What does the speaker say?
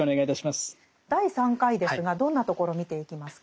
第３回ですがどんなところを見ていきますか？